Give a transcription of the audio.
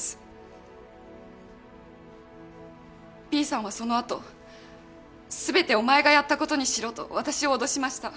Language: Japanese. Ｂさんはその後全てお前がやったことにしろと私を脅しました。